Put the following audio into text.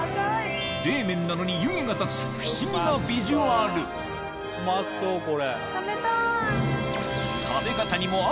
冷麺なのに湯気が立つ不思議なビジュアル食べたい。